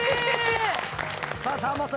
さあさんまさん